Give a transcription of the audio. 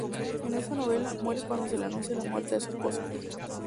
En esa novela, muere cuando se le anuncia la muerte de su esposo.